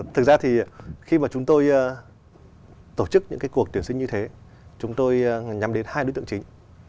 thực ra thì khi mà chúng tôi tổ chức những cái cuộc tuyển sinh như thế chúng tôi nhằm đến hai đối tượng chính